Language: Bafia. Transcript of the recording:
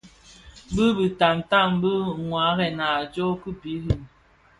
Bi bitamtam dhi waarèna a tsog ki birim.